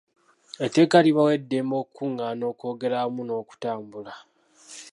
Eteeka libawa eddembe okukungaana, okwogera wamu n'okutambula.